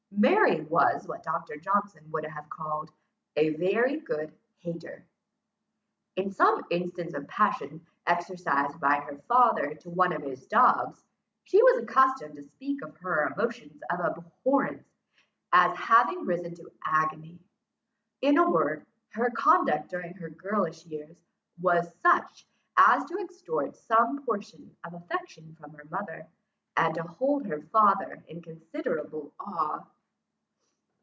Mary was what Dr. Johnson would have called, "a very good hater." In some instance of passion exercised by her father to one of his dogs, she was accustomed to speak of her emotions of abhorrence, as having risen to agony. In a word, her conduct during her girlish years, was such, as to extort some portion of affection from her mother, and to hold her father in considerable awe.